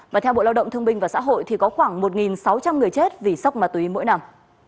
và theo bộ lao động thương binh và xã hội thì có khoảng một sáu trăm linh người chết vì sốc ma túy mỗi năm